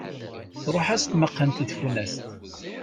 Truḥ-as tmaqqant i tfunast.